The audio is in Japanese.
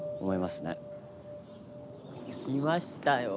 来ましたよ。